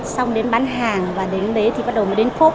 xong đến bán hàng và đến đấy thì bắt đầu đến phốp